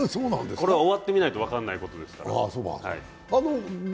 これは終わってみないと分からないことですけど。